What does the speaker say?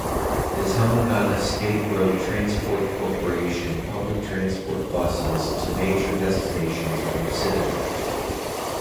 The Telangana State Road Transport Corporation public transport buses to major destinations from Siddipet.